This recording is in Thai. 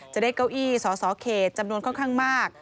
จะได้เก้าอี้สสเขตจำนวนค่อนข้างมาก